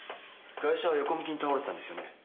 ガイシャは横向きに倒れてたんですよね？